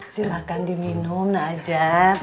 silahkan diminum najat